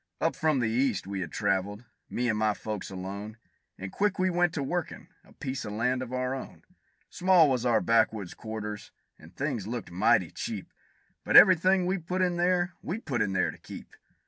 Up from the East we had traveled, me and my folks alone, And quick we went to workin' a piece of land of our own; Small was our backwoods quarters, and things looked mighty cheap; But every thing we put in there, we put in there to keep.